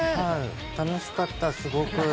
楽しかった、すごく。